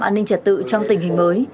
an ninh trật tự trong tình hình mới